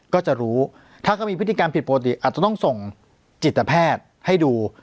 ก็จะรู้ถ้าเขามีพฤติกรรมผิดปกติอาจจะต้องส่งจิตแพทย์ให้ดู